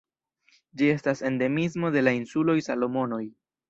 Ĝi estas endemismo de la insuloj Salomonoj.